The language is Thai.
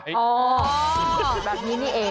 แบบนี้นี่เอง